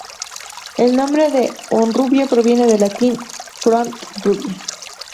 El nombre de Honrubia proviene del latín 'Font-rubia'.